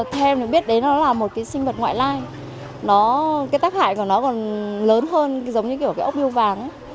theo em biết đấy nó là một sinh vật ngoại lai tác hại của nó còn lớn hơn giống như cái ốc biêu vàng